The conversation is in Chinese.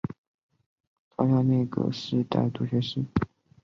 超擢内阁侍读学士。